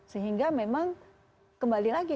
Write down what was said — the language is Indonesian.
sehingga memang kembali lagi